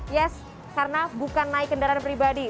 yes karena bukan naik kendaraan pribadi